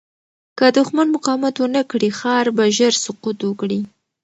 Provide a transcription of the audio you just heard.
که دښمن مقاومت ونه کړي، ښار به ژر سقوط وکړي.